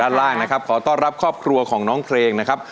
ด้านล่างนะครับขอต้อนรับครอบครัวของน้องเพลงนะครับ